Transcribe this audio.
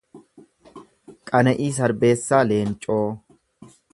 Qana’ii Sarbeessaa Leencoo